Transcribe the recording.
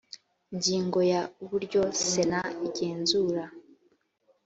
ingingo ya uburyo sena igenzura